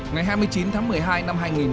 ngày hai mươi chín tháng một mươi hai